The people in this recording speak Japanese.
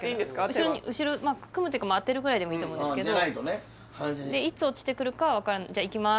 後ろに後ろ組むっていうかあてるぐらいでもいいと思うけどでいつ落ちてくるかは分からないじゃいきまー